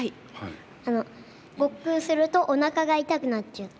あの、ごっくんするとおなかが痛くなっちゃって。